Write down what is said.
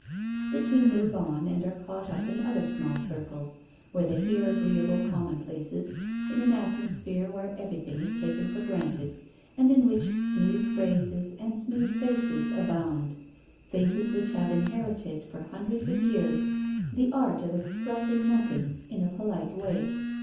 The two move on, and are caught up in other small circles, where they hear agreeable commonplaces, in an atmosphere where everything is taken for granted, and in which smooth phrases and smooth faces abound — faces which have inherited, for hundreds of years, the art of expressing nothing in a polite way.